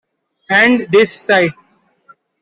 And this site.